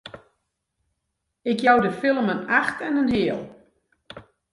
Ik jou de film in acht en in heal!